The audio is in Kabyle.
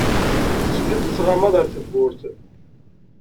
Tezgiḍ tettɣamaḍ ar tewwurt.